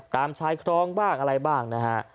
ตามชายครองบ้างอะไรบ้างนะฮะ